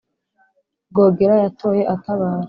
Rwogera yatoye atabara